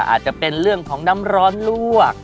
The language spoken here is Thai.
อาจจะเป็นเรื่องของน้ำร้อนลวก